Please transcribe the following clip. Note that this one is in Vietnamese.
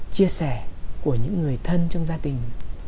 chia sẻ của những người thân trong gia tình